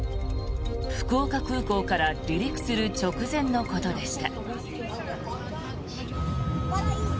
福岡空港から離陸する直前のことでした。